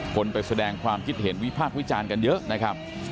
คนไปแสดงความคิดเห็นวิพากษ์วิจารณ์กันเยอะนะครับ